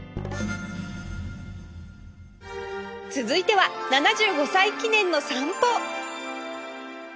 続いては７５歳記念の散歩